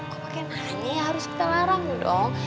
kok pake nanya harus kita larang dong